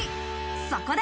そこで。